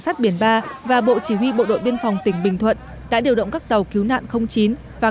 sát biển ba và bộ chỉ huy bộ đội biên phòng tỉnh bình thuận đã điều động các tàu cứu nạn chín và